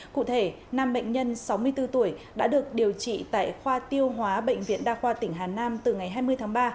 cụ thể năm bệnh nhân sáu mươi bốn tuổi đã được điều trị tại khoa tiêu hóa bệnh viện đa khoa tỉnh hà nam từ ngày hai mươi tháng ba